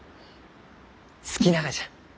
好きながじゃ。